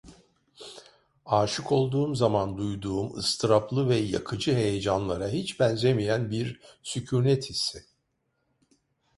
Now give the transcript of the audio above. Aşık olduğum zaman duyduğum ıstıraplı ve yakıcı heyecanlara hiç benzemeyen bir sükunet hissi.